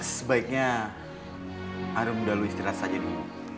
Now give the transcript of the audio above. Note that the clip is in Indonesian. sebaiknya arum sudah lo istirahat saja dulu